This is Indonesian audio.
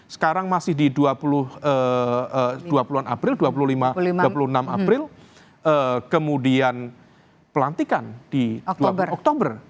sekarang masih di dua puluh an april dua puluh enam april kemudian pelantikan di dua oktober